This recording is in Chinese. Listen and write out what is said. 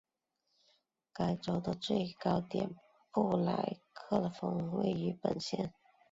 该州的最高点布莱克峰位于本县。